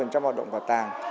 ba mươi hoạt động bảo tàng